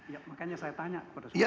ya makanya saya tanya kepada saya